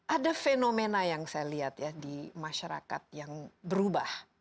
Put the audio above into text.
ada fenomena yang saya lihat ya di masyarakat yang berubah